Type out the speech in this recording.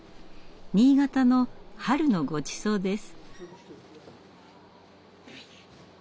新潟の春のごちそうです。